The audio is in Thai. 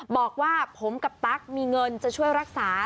บอกว่าผมกับตั๊กมีเงินจะช่วยรักษา